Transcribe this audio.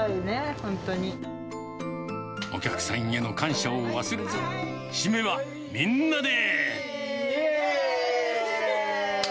お客さんへの感謝を忘れず、締めはみんなで。